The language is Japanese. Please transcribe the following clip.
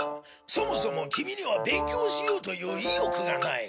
そもそもキミには勉強しようという意欲がない。